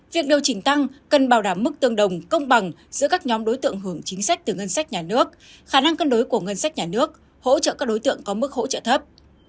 việc điều chỉnh tăng cần bảo đảm mức tương đồng công bằng giữa các nhóm đối tượng hưởng chính sách từ ngân sách nhà nước khả năng cân đối của ngân sách nhà nước hỗ trợ các đối tượng có mức hỗ trợ thấp